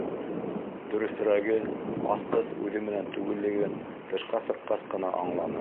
Дөрөҫөрәге, асҡыс үҙе менән түгеллеген тышҡа сыҡҡас ҡына аңланы.